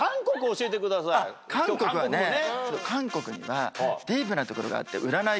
韓国もね。